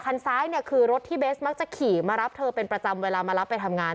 ซ้ายเนี่ยคือรถที่เบสมักจะขี่มารับเธอเป็นประจำเวลามารับไปทำงาน